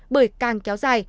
bởi càng kéo dài